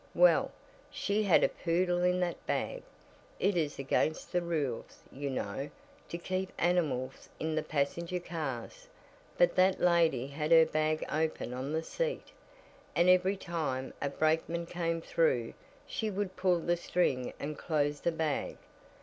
Well, she had a poodle in that bag, it is against the rules, you know, to keep animals in the passenger cars, but that lady had her bag open on the seat, and every time a brakeman came through she would pull the string and close the bag.